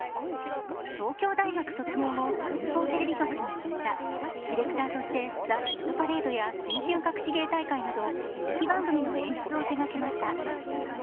東京大学卒業後、民放テレビ局に入社ディレクターとして「ザ・ヒットパレード」や「新春・かくし芸大会」など人気番組の演出を手がけました。